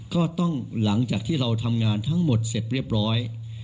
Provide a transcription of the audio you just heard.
ก็ต้องหลังจากที่เราทำงานทั้งหมดเสร็จเรียบร้อย